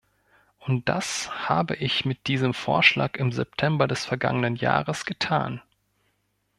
Und das habe ich mit diesem Vorschlag im September des vergangenen Jahres getan.